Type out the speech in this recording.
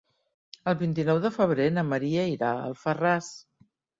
El vint-i-nou de febrer na Maria irà a Alfarràs.